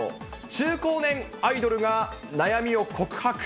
中高年アイドルが悩みを告白。